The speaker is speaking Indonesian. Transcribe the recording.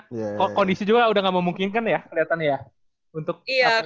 iya kalau berpikiran pesikipan gitu ya udah gak memungkinkan ya keliatan ya untuk